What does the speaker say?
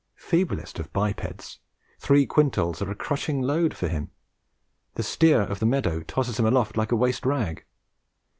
Feeblest of bipeds! Three quintals are a crushing load for him; the steer of the meadow tosses him aloft like a waste rag.